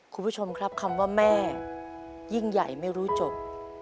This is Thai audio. คุณผู้ชมครับคำว่าแม่ยิ่งใหญ่ไม่รู้จบ